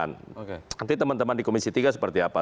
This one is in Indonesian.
nanti teman teman di komisi tiga seperti apa